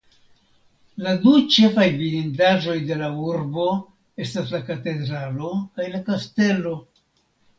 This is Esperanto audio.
La du ĉefaj vidindaĵoj de la urbo estas la katedralo kaj la kastelo.